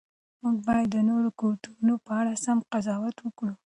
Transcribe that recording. موږ باید د نورو کلتورونو په اړه سم قضاوت وکړو.